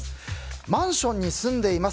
マンションに住んでいます。